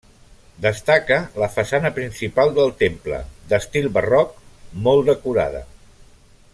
Destaca la façana principal del temple, d'estil barroc, molt decorada.